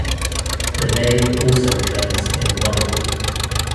The name also occurs in the Bible.